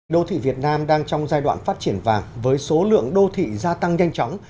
đô thị việt nam đang trong giai đoạn phát triển vàng với số lượng đô thị gia tăng nhanh chóng